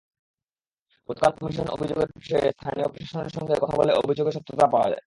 গতকাল কমিশন অভিযোগের বিষয়ে স্থানীয় প্রশাসনের সঙ্গে কথা বলে অভিযোগের সত্যতা পায়।